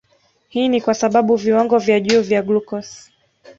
Hii ni kwa sababu viwango vya juu vya glucose